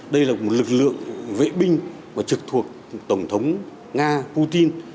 đây là một lực lượng vệ binh trực thuộc tổng thống nga putin